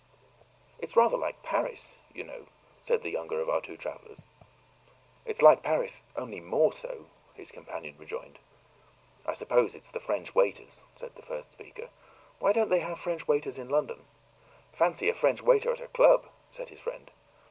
"It's rather like Paris, you know," said the younger of our two travelers. "It's like Paris only more so," his companion rejoined. "I suppose it's the French waiters," said the first speaker. "Why don't they have French waiters in London?" "Fancy a French waiter at a club," said his friend.